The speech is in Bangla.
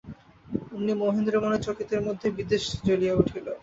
অমনি মহেন্দ্রের মনে চকিতের মধ্যে বিদ্বেষ জ্বলিয়া উঠিল।